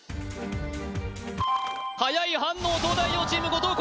はやい反応東大王チーム後藤弘